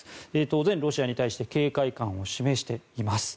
当然、ロシアに対して警戒感を示しています。